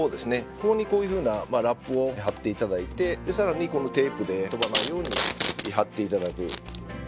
ここにこういうふうなラップを張って頂いてさらにこのテープで飛ばないように貼って頂く。